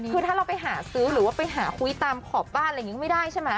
คือถ้าเราไปหาซื้อหรือว่าไปหาคุยตามขอบบ้านอะไรอย่างนี้ก็ไม่ได้ใช่ไหม